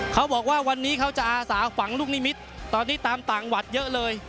เขาบอกว่าวันนี้เขาจะอาสาฝังลูกนิมิตรตอนนี้ตามต่างวัดเยอะเลย